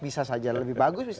bisa saja lebih bagus